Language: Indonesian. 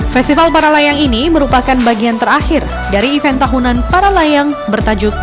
festival para layang ini merupakan bagian terakhir dari event tahunan para layang bertajuk